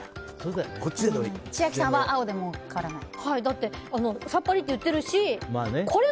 千秋さんは青で変わらないと。